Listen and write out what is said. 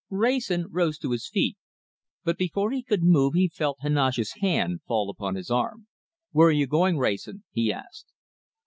Wrayson rose to his feet, but before he could move he felt Heneage's hand fall upon his arm. "Where are you going, Wrayson?" he asked.